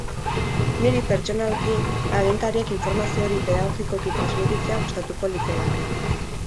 Niri, pertsonalki, agintariek informazio hori pedagogikoki transmititzea gustatuko litzaidake.